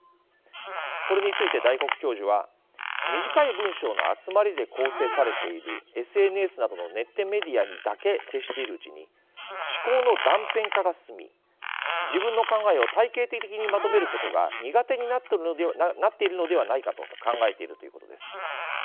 これについて大黒教授は短い文章の集まりで構成されているＳＮＳなどのネットメディアにだけ接しているうちに思考の断片化が進み自分の考えを体系的にまとめることが苦手になっているのではないかと考えているということです。